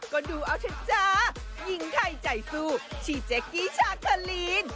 ก็ดูเอาฉันจ๊ะยิ่งไทยใจสู้ชีแจกกี้แชคลีน